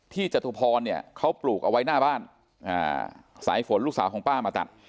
จตุพรเนี่ยเขาปลูกเอาไว้หน้าบ้านสายฝนลูกสาวของป้ามาตัด